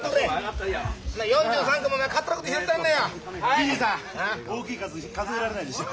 銀次さん大きい数数えられないんでしょ。